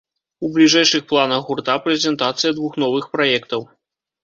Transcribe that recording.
У бліжэйшых планах гурта прэзентацыя двух новых праектаў.